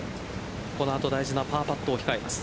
この後大事なパーパットを控えます。